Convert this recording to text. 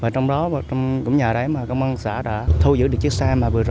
trong đó trong nhà đó công an xã đã thu giữ được chiếc xe